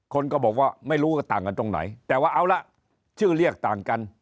คนก็บอกว่าไม่รู้ว่าต่างกันตรงไหนแต่ว่าเอาล่ะชื่อเรียกต่างกัน